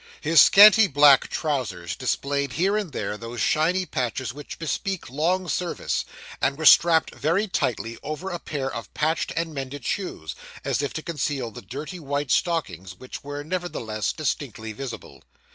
His scanty black trousers displayed here and there those shiny patches which bespeak long service, and were strapped very tightly over a pair of patched and mended shoes, as if to conceal the dirty white stockings, which were nevertheless distinctly visible.